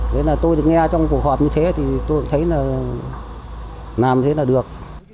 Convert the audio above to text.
đấy là tôi được nghe trong cuộc họp như thế thì tôi thấy là làm thế là được